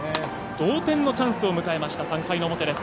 同点のチャンスを迎えた３回の表です。